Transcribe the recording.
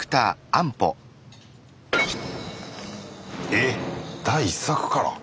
えっ第１作から！